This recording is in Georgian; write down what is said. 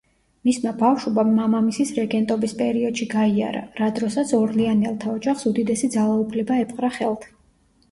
მისმა ბავშვობამ მამამისის რეგენტობის პერიოდში გაიარა, რა დროსაც ორლეანელთა ოჯახს უდიდესი ძალაუფლება ეპყრა ხელთ.